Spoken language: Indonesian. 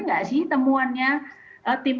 nggak sih temuannya tim